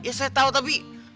ya saya tau tapi